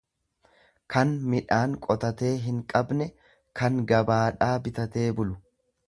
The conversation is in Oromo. kan midhaan qotatee hinqabne, kan gabaadhaa bitatee bulu.